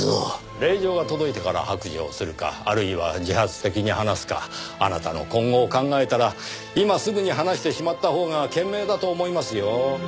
令状が届いてから白状するかあるいは自発的に話すかあなたの今後を考えたら今すぐに話してしまったほうが賢明だと思いますよ。